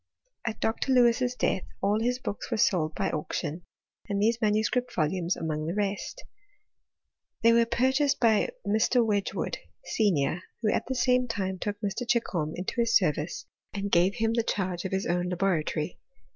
At Dr. Lewis's death, all his booki were sold by auction, and these manuscript volumtli among the rest. They were purchased by Mr. Wedtfji* wood, senior, who at the same time took Mr. Chichdtti into his service, ahd gave him the charge of his oifii ♦kfibW lit cterfhtRY.